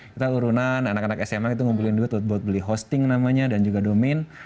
kita turunan anak anak sma itu ngumpulin duit buat beli hosting namanya dan juga domain